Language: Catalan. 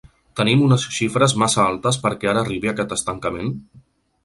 Tenim unes xifres massa altes perquè ara arribi aquest estancament?